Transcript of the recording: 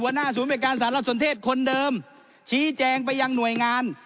หัวหน้าศูนย์บริการสารสนเทศคนเดิมชี้แจงไปยังหน่วยงาน